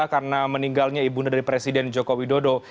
karena meninggalnya ibu neda presiden joko widodo